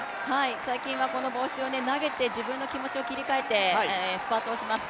最近は、この帽子を投げて自分の気持ちを切り替えてスパートをします。